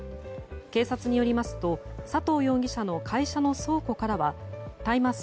警察によりますと佐藤容疑者の会社の倉庫からは大麻草